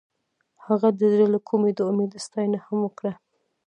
هغې د زړه له کومې د امید ستاینه هم وکړه.